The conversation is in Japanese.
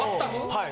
はい。